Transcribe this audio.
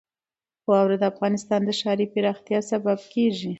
واوره د افغانستان د ښاري پراختیا سبب کېږي.